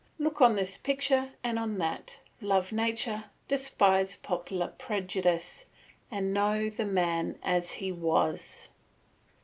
Look on this picture and on that, love nature, despise popular prejudice, and know the man as he was.